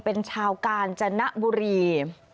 เป็นชาวการจะน่ะบุรี